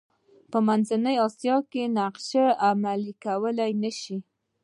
په منځنۍ اسیا کې نقشې عملي نه شي کولای.